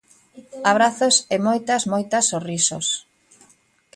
Abrazos e moitas, moitas sorrisos.